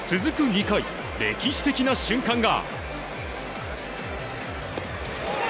２回、歴史的な瞬間が。